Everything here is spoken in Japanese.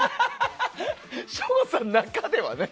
省吾さんの中ではね。